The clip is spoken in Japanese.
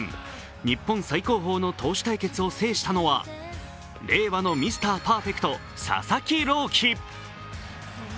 日本最高峰の投手対決を制したのは令和のミスターパーフェクト、佐々木朗希。